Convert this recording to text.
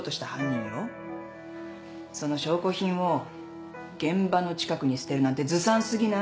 その証拠品を現場の近くに捨てるなんてずさん過ぎない？